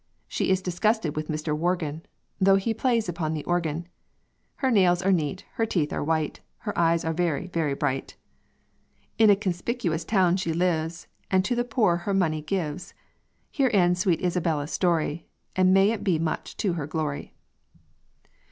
She is disgusted with Mr. Worgan, Though he plays upon the organ. Her nails are neat, her teeth are white, Her eyes are very, very bright. In a conspicuous town she lives, And to the poor her money gives. Here ends sweet Isabella's story, And may it be much to her glory."